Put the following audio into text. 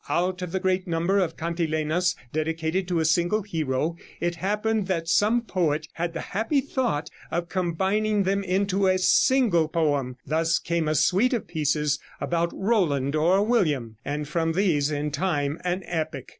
Out of the great number of cantilenas dedicated to a single hero it happened that some poet had the happy thought of combining them into a single poem. Thus came a suite of pieces about Roland or William, and from these, in time, an epic.